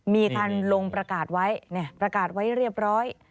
มีการลงประกาศไว้ประกาศไว้เรียบร้อย